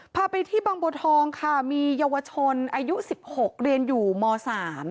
พาไปที่บางบัวทองค่ะมีเยาวชนอายุ๑๖เรียนอยู่ม๓